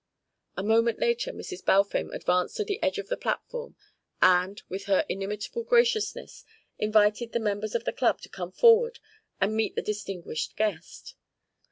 A moment later Mrs. Balfame advanced to the edge of the platform, and, with her inimitable graciousness, invited the members of the Club to come forward and meet the distinguished guest.